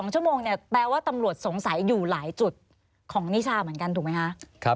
๒ชั่วโมงเนี่ยแปลว่าตำรวจสงสัยอยู่หลายจุดของนิชาเหมือนกันถูกไหมคะ